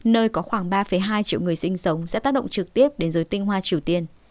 nơi có khoảng ba hai triệu người sinh sống sẽ tác động trực tiếp đến giới tinh hoa triều tiên